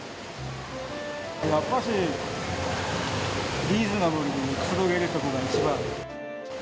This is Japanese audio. やっぱしリーズナブルにくつろげるところが一番。